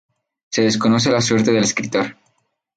Se desconoce la suerte del escritor.